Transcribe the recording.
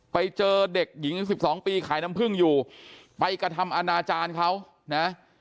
ไปเจอเด็กหญิง๑๒ปีขายน้ำพึ่งอยู่ไปกระทำอนาจารย์เขานะ